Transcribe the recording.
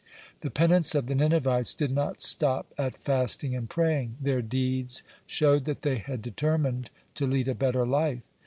The penance of the Ninevites did not stop at fasting and praying. Their deeds showed that they had determined to lead a better life.